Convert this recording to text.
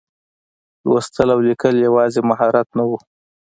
لوستل او لیکل یوازې مهارت نه و.